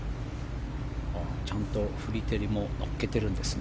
ちゃんとフリテリも乗っけてるんですね。